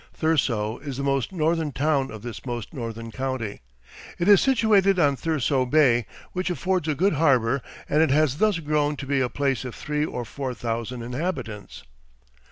Thurso is the most northern town of this most northern county. It is situated on Thurso Bay, which affords a good harbor, and it has thus grown to be a place of three or four thousand inhabitants.